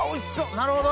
なるほど！